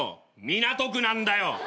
港区なんだよ！